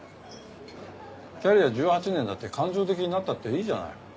キャリア１８年だって感情的になったっていいじゃない。